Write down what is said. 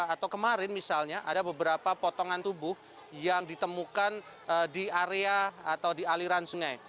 atau kemarin misalnya ada beberapa potongan tubuh yang ditemukan di area atau di aliran sungai